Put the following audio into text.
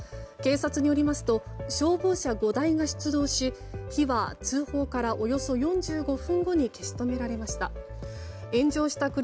警察によりますと消防車５台が出動し火は通報からおよそ４５分後に消し止められました。